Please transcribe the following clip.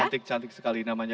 cantik cantik sekali namanya